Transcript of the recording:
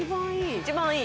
一番いい！